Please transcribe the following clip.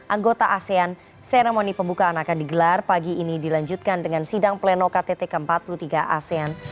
anggota asean seremoni pembukaan akan digelar pagi ini dilanjutkan dengan sidang pleno ktt ke empat puluh tiga asean